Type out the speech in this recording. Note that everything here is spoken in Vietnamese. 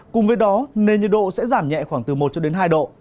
cùng với đó nền nhiệt độ sẽ giảm nhẹ khoảng từ một hai độ